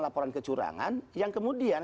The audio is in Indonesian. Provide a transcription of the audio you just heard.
laporan kecurangan yang kemudian